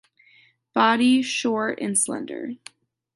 Body short and slender.